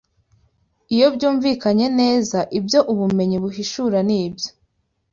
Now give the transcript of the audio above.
Iyo byumvikanye neza, ibyo ubumenyi buhishura n’ibyo